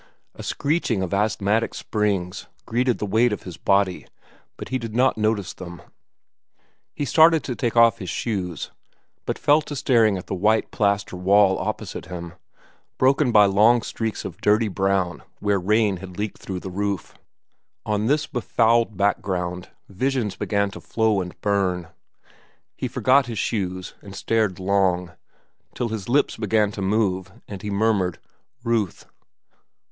A screeching of asthmatic springs greeted the weight of his body, but he did not notice them. He started to take off his shoes, but fell to staring at the white plaster wall opposite him, broken by long streaks of dirty brown where rain had leaked through the roof. On this befouled background visions began to flow and burn. He forgot his shoes and stared long, till his lips began to move and he murmured, "Ruth."